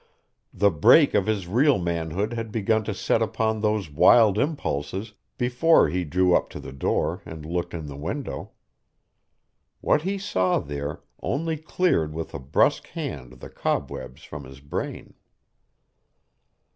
The brake of his real manhood had begun to set upon those wild impulses before he drew up to the door and looked in the window. What he saw there only cleared with a brusque hand the cobwebs from his brain.